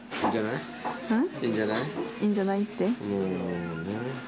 いいんじゃない？って。